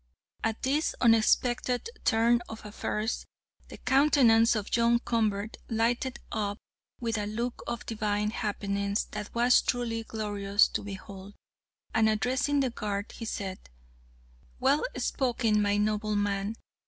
"At this unexpected turn of affairs, the countenance of John Convert lighted up with a look of divine happiness that was truly glorious to behold, and, addressing the guard, he said: 'Well spoken, my noble man.